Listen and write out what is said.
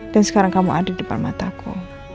sekarang kamu ada di depan mataku